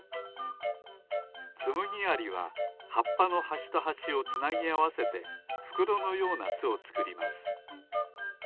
ツムギアリははっぱのはしとはしをつなぎあわせてふくろのようなすをつくります。